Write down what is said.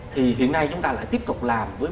thì hiện nay chúng ta lại tiếp tục làm với